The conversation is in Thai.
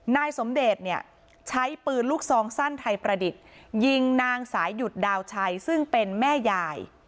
นายสมเดชเนี่ยใช้ปืนลูกซองสั้นไทยประดิษฐ์ยิงนางสายหยุดดาวชัยซึ่งเป็นแม่ยาย